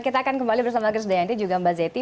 kita akan kembali bersama chris dayanti juga mbak zeti